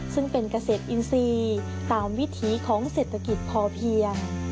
ซึ่งเป็นเกษตรอินทรีย์ตามวิถีของเศรษฐกิจพอเพียง